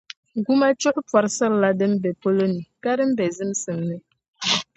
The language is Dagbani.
Gumachuɣu pɔrisilila din be palo ni ka din be zimsim ni.